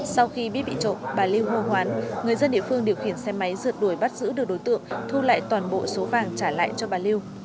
sau khi biết bị trộm bà lưu hô hoán người dân địa phương điều khiển xe máy rượt đuổi bắt giữ được đối tượng thu lại toàn bộ số vàng trả lại cho bà lưu